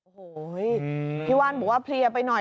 โอ้โหพี่ว่านบอกว่าเพลียไปหน่อย